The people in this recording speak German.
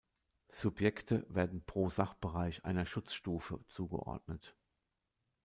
Subjekte werden "pro Sachbereich" einer Schutzstufe zugeordnet.